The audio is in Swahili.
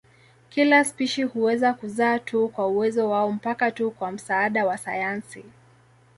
Kila spishi huweza kuzaa tu kwa uwezo wao mpaka tu kwa msaada wa sayansi.